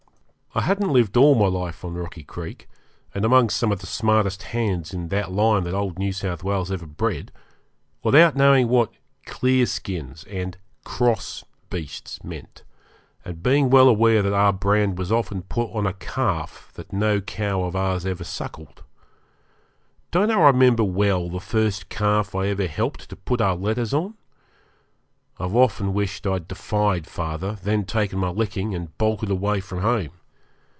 I hadn't lived all my life on Rocky Creek, and among some of the smartest hands in that line that old New South Wales ever bred, without knowing what 'clearskins' and 'cross' beasts meant, and being well aware that our brand was often put on a calf that no cow of ours ever suckled. Don't I remember well the first calf I ever helped to put our letters on? I've often wished I'd defied father, then taken my licking, and bolted away from home.